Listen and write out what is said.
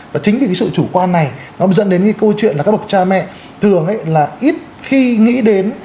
và chính vì cái sự chủ quan này nó dẫn đến cái câu chuyện là các bậc cha mẹ thường ấy là ít khi nghĩ đến